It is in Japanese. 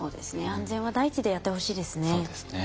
安全は第一でやってほしいですね。